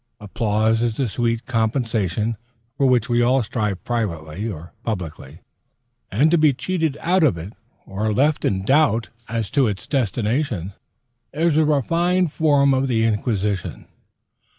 Applause is the sweet compensation for which all strive privately or publicly, and to be cheated out of it, or left in doubt as to its destination, is a refined form of the Inquisition.